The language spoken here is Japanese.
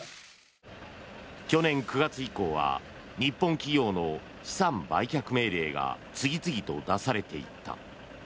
去年９月以降は日本企業の資産売却命令が次々と出されていった。